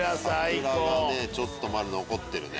桜がちょっとまだ残ってるね。